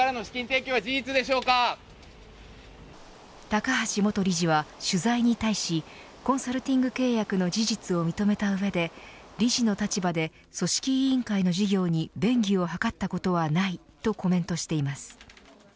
高橋元理事は取材に対しコンサルティング契約の事実を認めた上で理事の立場で組織委員会の事業に便宜を図ったことはないとコメントしています。